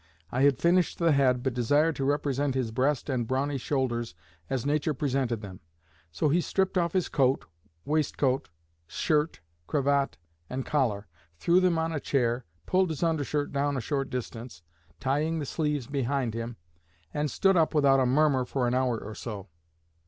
I had finished the head, but desired to represent his breast and brawny shoulders as nature presented them; so he stripped off his coat, waistcoat, shirt, cravat, and collar, threw them on a chair, pulled his undershirt down a short distance, tying the sleeves behind him, and stood up without a murmur for an hour or so.